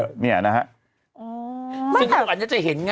อันนี้จะเห็นไง